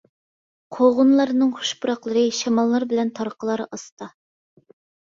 قوغۇنلارنىڭ خۇش پۇراقلىرى، شاماللار بىلەن تارقىلار ئاستا.